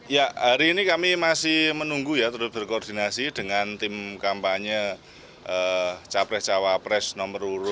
ya hari ini kami masih menunggu ya terus berkoordinasi dengan tim kampanye capres cawapres nomor urut dua